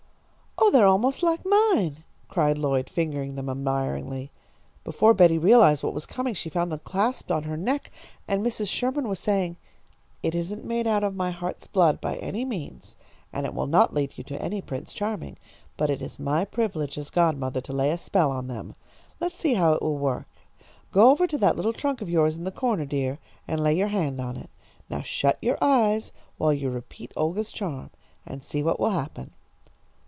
"Oh, they are almost like mine," cried Lloyd, fingering them admiringly. Before Betty realised what was coming, she found them clasped on her neck, and Mrs. Sherman was saying: "It isn't made out of my heart's blood by any means, and it will not lead you to any Prince Charming, but it is my privilege as godmother to lay a spell on them. Let's see how it will work. Go over to that little trunk of yours in the corner, dear, and lay your hand on it. Now shut your eyes while you repeat Olga's charm, and see what will happen."